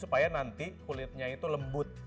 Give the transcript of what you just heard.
supaya nanti kulitnya itu lembut